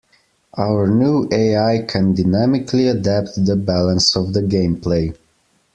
Our new AI can dynamically adapt the balance of the gameplay.